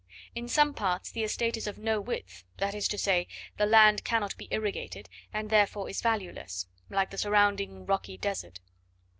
In some parts the estate is of no width, that is to say, the land cannot be irrigated, and therefore is valueless, like the surrounding rocky desert.